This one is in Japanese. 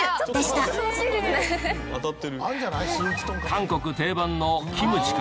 韓国定番のキムチから。